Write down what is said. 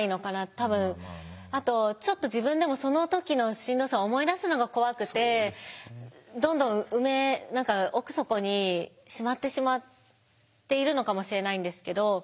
多分あとちょっと自分でもその時のしんどさを思い出すのが怖くてどんどん埋め何か奥底にしまってしまっているのかもしれないんですけど。